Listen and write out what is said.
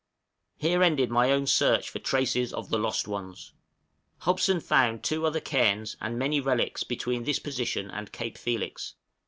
Here ended my own search for traces of the lost ones. Hobson found two other cairns, and many relics, between this position and Cape Felix.